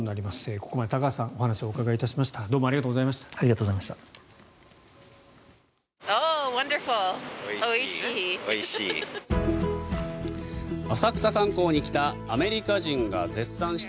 ここまで高橋さんにお話をお伺いしました。